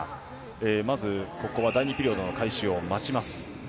まずここは第２ピリオドの開始を待ちます。